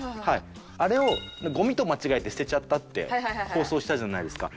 あれをゴミと間違えて捨てちゃったって放送したじゃないですか。